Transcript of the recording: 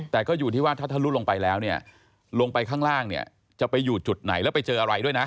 แต่ก็อยู่ที่ว่าถ้าทะลุลงไปแล้วเนี่ยลงไปข้างล่างเนี่ยจะไปอยู่จุดไหนแล้วไปเจออะไรด้วยนะ